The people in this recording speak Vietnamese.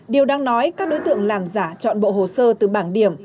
điều đang nói các đối tượng làm giả chọn bộ hồ sơ từ bảng điểm